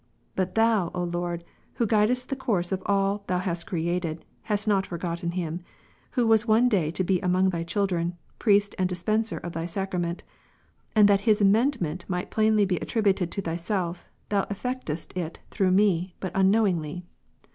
But Thou, O Lord, who guidest the course of all Thou hast created, hadst not forgotten him, who was one day to be among Thy children, Priest and Dispenser of Thy Sacrament; and that his amendment might plainly be attributed to Thyself, Tliou effectedst it through nie, but unknowingly.